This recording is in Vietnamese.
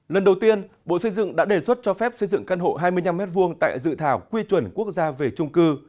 lần đầu tiên bộ xây dựng đã đề xuất cho phép xây dựng căn hộ hai mươi năm m hai tại dự thảo quy chuẩn quốc gia về trung cư